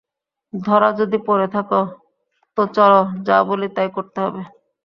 ধরা যদি পড়ে থাক তো চলো– যা বলি তাই করতে হবে।